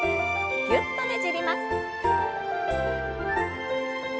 ぎゅっとねじります。